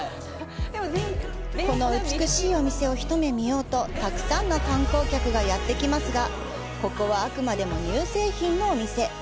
この美しいお店をひと目見ようとたくさんの観光客がやってきますが、ここはあくまでも乳製品のお店。